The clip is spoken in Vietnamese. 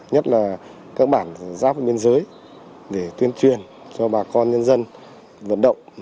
nhất là các bản giáp bên dưới để tuyên truyền cho bà con nhân dân vận động